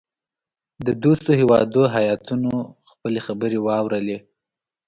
د دوستو هیوادو هیاتونو خپلي خبرې واورلې.